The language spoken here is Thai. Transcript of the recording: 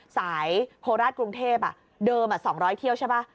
โคราชกรุงเทพเดิม๒๐๐เที่ยวใช่ป่ะ